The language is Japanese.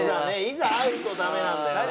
いざ会うとダメなんだよね。